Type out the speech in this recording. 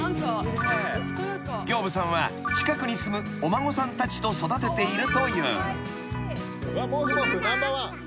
［刑部さんは近くに住むお孫さんたちと育てているという］